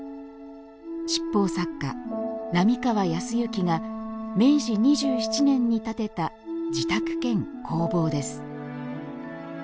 七宝作家、並河靖之が明治２７年に建てた自宅兼工房です。